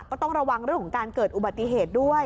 ก็ต้องระวังเรื่องของการเกิดอุบัติเหตุด้วย